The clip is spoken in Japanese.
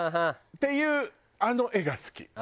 っていうあの画が好き。